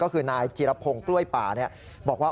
ก็คือนายจิรพงศ์กล้วยป่าบอกว่า